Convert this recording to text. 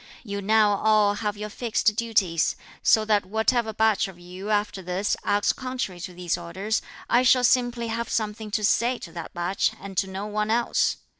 You now all have your fixed duties, so that whatever batch of you after this acts contrary to these orders, I shall simply have something to say to that batch and to no one else.